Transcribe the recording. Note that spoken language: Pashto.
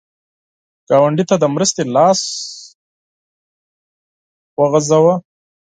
ګاونډي ته د مرستې لاس وغځوه